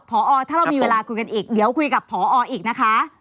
พอถ้าเรามีเวลาคุยกันอีกเดี๋ยวคุยกับพออีกนะคะ